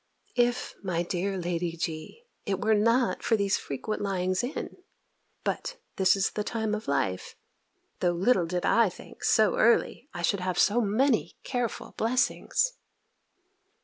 If, my dear Lady G., it were not for these frequent lyings in! But this is the time of life. Though little did I think, so early, I should have so many careful blessings!